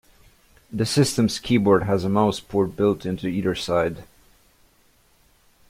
The system's keyboard has a mouse port built into either side.